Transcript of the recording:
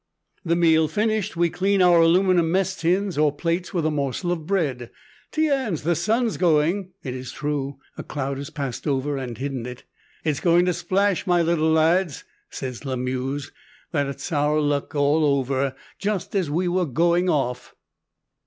The meal finished, we clean our aluminium mess tins or plates with a morsel of bread. "Tiens, the sun's going!" It is true; a cloud has passed over and hidden it. "It's going to splash, my little lads," says Lamuse "that's our luck all over! Just as we are going off!"